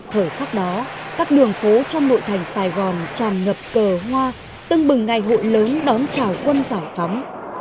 thời khắc đó các đường phố trong nội thành sài gòn tràn ngập cờ hoa tưng bừng ngày hội lớn đón chào quân giải phóng